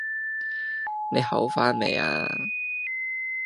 你好返未呀